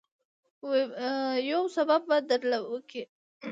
يو سبب به درله وکي.